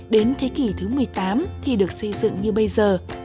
đến thế kỷ thứ một mươi tám thì được xây dựng như bây giờ